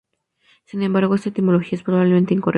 Sin embargo, esta etimología es probablemente incorrecta.